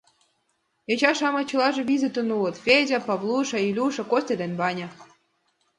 Йоча-шамыч чылаже визытын улыт: Федя, Павлуша, Илюша, Костя да Ваня.